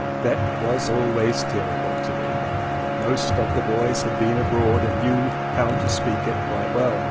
that was always terrible to me; most of the boys had been abroad and knew how to speak it quite well.